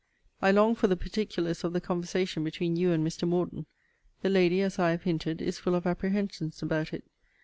I long for the particulars of the conversation between you and Mr. Morden; the lady, as I have hinted, is full of apprehensions about it.